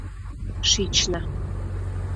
Шична.